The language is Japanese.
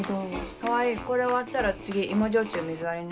川合これ終わったら次芋焼酎水割りね。